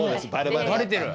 バレてる？